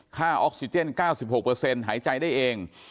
ค่าออกซิเจน๙๖เปอร์เซ็นต์หายใจได้เอง